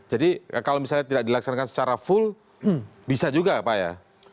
kalau misalnya tidak dilaksanakan secara full bisa juga pak ya